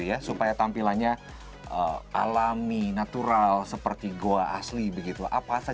apa saja yang dilakukan